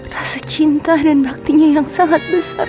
rasa cinta dan baktinya yang sangat besar